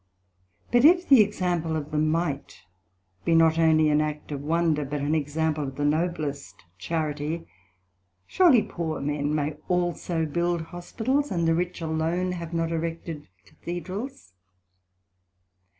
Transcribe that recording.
But if the example of the Mite be not only an act of wonder, but an example of the noblest Charity, surely poor men may also build Hospitals, and the rich alone have not erected Cathedrals.